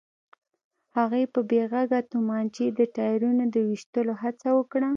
هغې په بې غږه تومانچې د ټايرونو د ويشتلو هڅه وکړه.